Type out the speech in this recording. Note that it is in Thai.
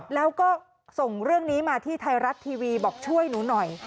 แล้วก็ส่งเรื่องนี้มาที่ไทยรัฐทีวีบอกช่วยหนูหน่อย